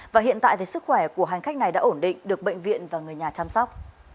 và hiện tại sức khỏe của hành khách này đã ổn định được bệnh viện và người nhà chăm sóc